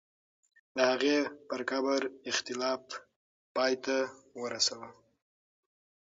د هغې پر قبر اختلاف پای ته ورسوه.